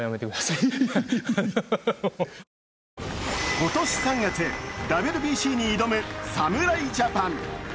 今年３月、ＷＢＣに挑む侍ジャパン。